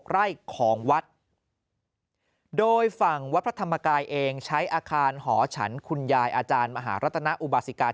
ไร่ของวัดโดยฝั่งวัดพระธรรมกายเองใช้อาคารหอฉันคุณยายอาจารย์มหารัตนอุบาสิกา